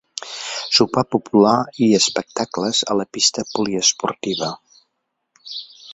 Sopar popular i espectacles a la Pista Poliesportiva.